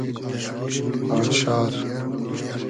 آشار